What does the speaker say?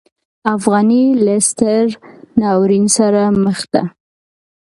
افغانۍ له ستر ناورین سره مخ ده.